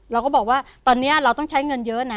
เราก็บอกว่าตอนนี้เราต้องใช้เงินเยอะนะ